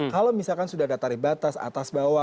kalau misalkan sudah ada tarif batas atas bawah